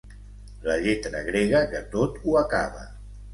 La lletra grega que tot ho acaba.